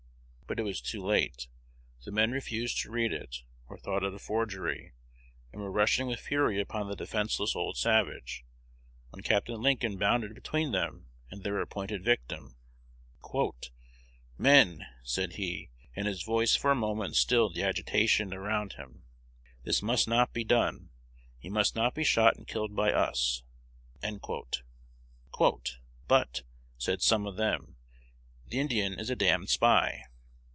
But it was too late: the men refused to read it, or thought it a forgery, and were rushing with fury upon the defenceless old savage, when Capt. Lincoln bounded between them and their appointed victim. "Men," said he, and his voice for a moment stilled the agitation around him, "this must not be done: he must not be shot and killed by us." "But," said some of them, "the Indian is a damned spy."